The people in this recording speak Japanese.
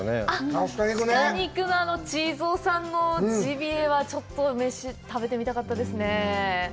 あっ、鹿肉はちーぞさんのジビエは、ちょっと食べてみたかったですね。